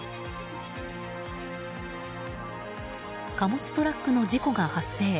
貨物トラックの事故が発生。